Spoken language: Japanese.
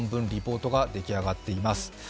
リポートが出来上がっています。